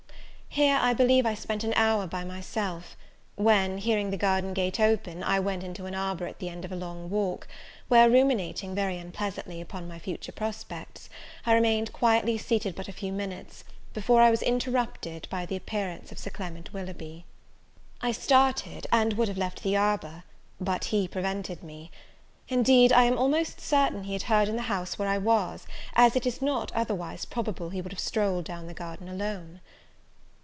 Here I believe I spent an hour by myself; when, hearing the garden gate open, I went into an arbour at the end of a long walk, where, ruminating, very unpleasantly, upon my future prospects, I remained quietly seated but a few minutes, before I was interrupted by the appearance of Sir Clement Willoughby. I started; and would have left the arbour, but he prevented me. Indeed, I am almost certain he had heard in the house where I was, as it is not, otherwise, probable he would have strolled down the garden alone.